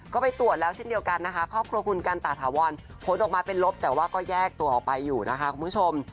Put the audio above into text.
ก็ไปตรวจแล้วเช่นเดียวกันนะคะครอบครัวคุณกันตาถาวรผลออกมาเป็นลบแต่ว่าก็แยกตัวออกไปอยู่นะคะคุณผู้ชม